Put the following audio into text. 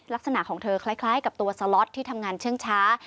ลักษณะของเธอคล้ายกับตัวสล็อตที่ทำงานเชื่องช้า